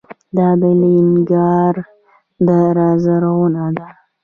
د الینګار دره زرغونه ده